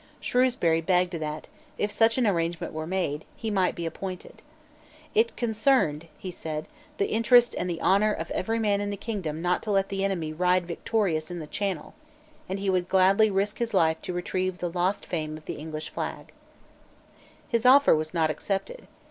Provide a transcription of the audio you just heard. Shrewsbury begged that, if such an arrangement were made, he might be appointed. It concerned, he said, the interest and the honour of every man in the kingdom not to let the enemy ride victorious in the Channel; and he would gladly risk his life to retrieve the lost fame of the English flag, His offer was not accepted.